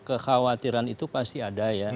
kekhawatiran itu pasti ada ya